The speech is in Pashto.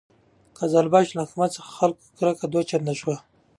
د قزلباشو له حکومت څخه د خلکو کرکه دوه چنده شوه.